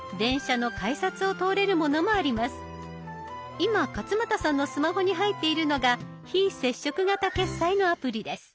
今勝俣さんのスマホに入っているのが非接触型決済のアプリです。